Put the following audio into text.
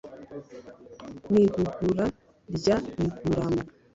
mu igugura rya miguramo